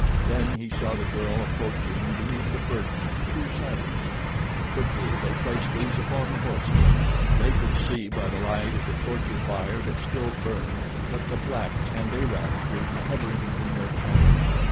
Then he saw the girl approaching beneath the burden of two saddles. Quickly they placed these upon the horses. They could see by the light of the torture fire that still burned that the blacks and Arabs were recovering from their panic.